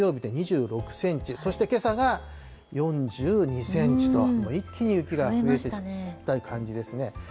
桧枝岐村２６センチ、そしてけさが４２センチと、一気に雪が降りしきった感じですね。